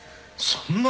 そんな。